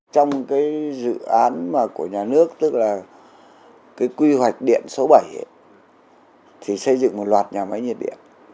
trong dự án của nhà nước tức là quy hoạch điện số bảy xây dựng một loạt nhà máy nhiệt điện